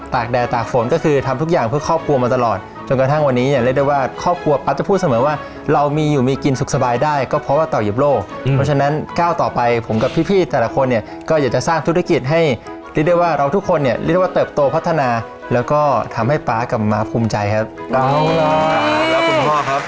สวัสดีสวัสดีสวัสดีสวัสดีสวัสดีสวัสดีสวัสดีสวัสดีสวัสดีสวัสดีสวัสดีสวัสดีสวัสดีสวัสดีสวัสดีสวัสดีสวัสดีสวัสดีสวัสดีสวัสดีสวัสดีสวัสดีสวัสดีสวัสดีสวัสดีสวัสดีสวัสดีสวัสดีสวัสดีสวัสดีสวัสดีสวัส